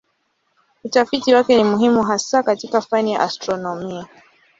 Utafiti wake ni muhimu hasa katika fani ya astronomia.